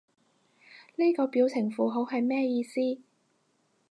呢個表情符號係咩意思？